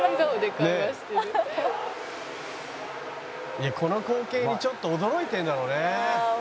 「いやこの光景にちょっと驚いてるんだろうね」